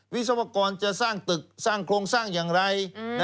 วิศวกรจะสร้างตึกสร้างโครงสร้างอย่างไร